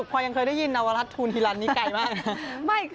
พอยังเคยได้ยินหนัวระรัตุธุลฮิลัณใหม่ไก่มาก